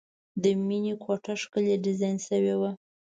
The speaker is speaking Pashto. د مینې کوټه ښکلې ډیزاین شوې وه